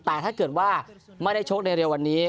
แต่ถ้าเกิดว่าไม่ได้ชกในเร็ววันนี้